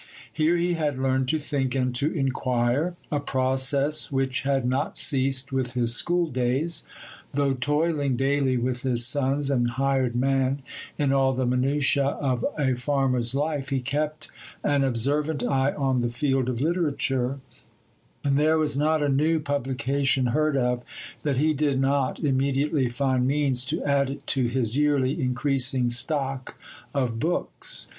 Here he had learned to think and to inquire,—a process which had not ceased with his schooldays. Though toiling daily with his sons and hired man in all the minutiæ of a farmer's life, he kept an observant eye on the field of literature, and there was not a new publication heard of that he did not immediately find means to add it to his yearly increasing stock of books.